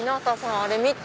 あれ見て。